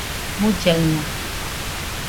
mullaɨna